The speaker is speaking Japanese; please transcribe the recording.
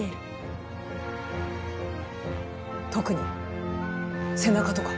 特に背中とか。